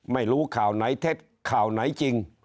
ไม่รู้ข่าวไหนเท็จข่าวไหนจริง